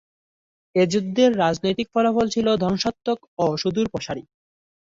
এ যুদ্ধের রাজনৈতিক ফলাফল ছিল ধ্বংসাত্মক ও সুদূরপ্রসারী।